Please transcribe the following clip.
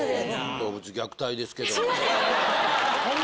動物虐待ですけど。